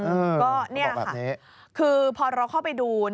อืมบอกแบบนี้คือพอเราเข้าไปดู